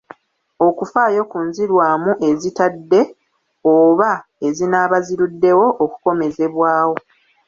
Okufaayo ku nzirwamu ezitadde oba ezinaaba ziruddewo okukomezebwawo.